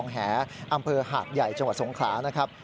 หาดใหญ่จังหวัดสงขานะครับ